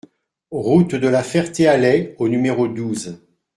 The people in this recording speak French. Route de la Ferté-Alais au numéro douze